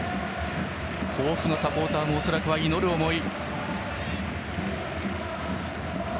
甲府のサポーターも恐らくは祈る思い。